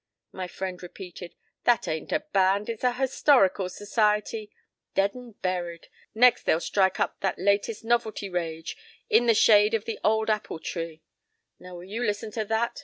my friend repeated. "That ain't a band; it's a historical s'ciety. Dead and buried! Next they'll strike up that latest novelty rage, 'In the Shade of the Old Apple Tree!'—Now will you listen to that.